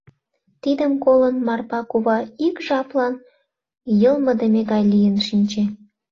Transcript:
Тидым колын, Марпа кува ик жаплан йылмыдыме гай лийын шинче.